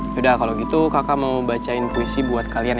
sudah kalau gitu kakak mau bacain puisi buat kalian